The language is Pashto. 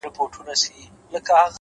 غلطۍ کي مي د خپل حسن بازار مات کړی دی”